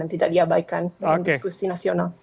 dan tidak diabaikan dalam diskusi nasional